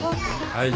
はい。